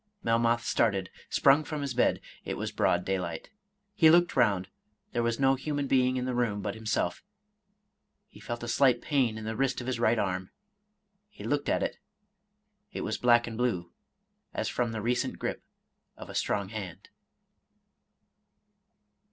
Melmoth started, sprung from his bed, — it was broad daylight. He looked round, — there was no human being in the room but himself. He felt a slight pain in the wrist of his right arm. He looked at it, it was black and blue, as from the recent gripe of a strong hand.